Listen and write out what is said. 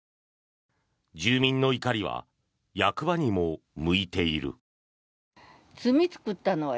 住民の怒りは役場にも向いている。